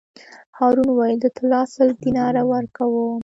هارون وویل: د طلا سل دیناره ورکووم.